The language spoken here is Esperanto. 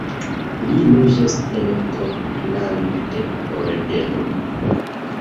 Li loĝas en Portland, Oregono.